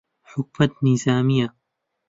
حکوومەت نیزامییە